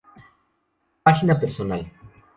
Página Personal